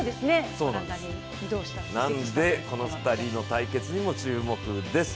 なので、この２人の対決にも注目です。